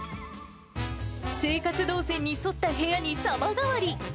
生活動線に沿った部屋に様変わり。